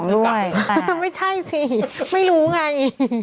๑๒ด้วยกลับ๘ไม่ใช่สิไม่รู้ไง